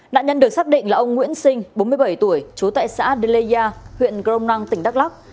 nạn nhân được xác định là ông nguyễn sinh bốn mươi bảy tuổi chú tại xã đê lê gia huyện crong năng tỉnh đắk lắk